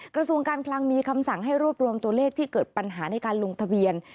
กระทรวงการคลังมีคำสั่งให้รวบรวมตัวเลขที่เกิดปัญหาในการลงทะเบียน